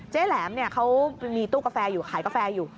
เจ๊แหลมเขามีตู้กาแฟอยู่ขายกาแฟอยู่